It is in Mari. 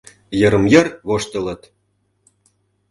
Йырым-йыр воштылыт.